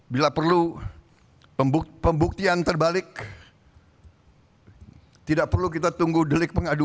bila perlu pembuktian terbalik tidak perlu kita tunggu delik pengaduan